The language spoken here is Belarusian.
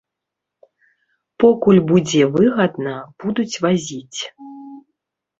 Покуль будзе выгадна, будуць вазіць.